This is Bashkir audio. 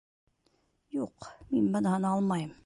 Юҡ, мин быныһын алмайым.